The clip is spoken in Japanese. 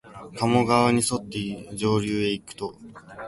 加茂川にそって上流にいくと、